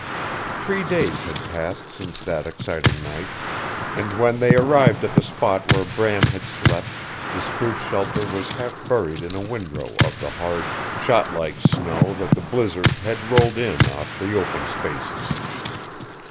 Three days had passed since that exciting night, and when they arrived at the spot where Bram had slept the spruce shelter was half buried in a windrow of the hard, shot like snow that the blizzard had rolled in off the open spaces.